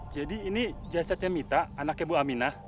jadi ini jasadnya mita anaknya bu aminah